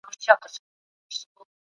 خپله شتمني په نېکو لارو کي مصرف کړئ.